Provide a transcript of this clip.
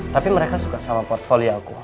tapi mereka suka sama portfolio aku